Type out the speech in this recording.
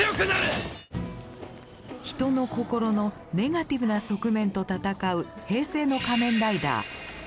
人の心のネガティブな側面と戦う平成の仮面ライダー。